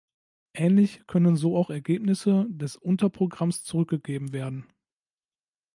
Ähnlich können so auch Ergebnisse des Unterprogramms zurückgegeben werden.